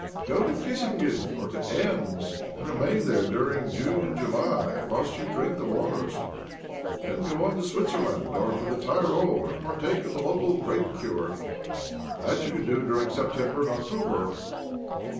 Go to Kissingen or to Ems, and remain there during June and July, whilst you drink the wa, ters. Then go on to Switzerland, or to the Tyrol, and partake of the local grape cure. That you can do during September and October."